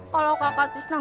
kalau kakak tisna